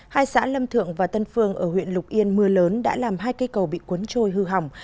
hai xã lâm thượng và tân phương ở huyện lục yên mưa lớn đã làm hai cây cầu bị cuốn trôi hư hỏng